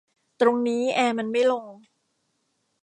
ตรงนี้แอร์มันไม่ลง